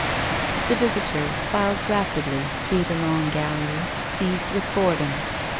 The visitors filed rapidly through the long gallery, seized with boredom.